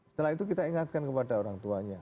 setelah itu kita ingatkan kepada orang tuanya